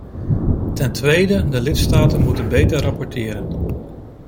Ten tweede, de lidstaten moeten beter rapporteren.